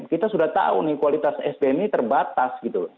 kita sudah tahu nih kualitas sdm ini terbatas gitu loh